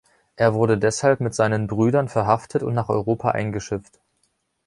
Er wurde deshalb mit seinen Brüdern verhaftet und nach Europa eingeschifft.